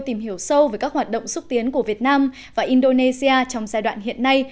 tìm hiểu sâu về các hoạt động xúc tiến của việt nam và indonesia trong giai đoạn hiện nay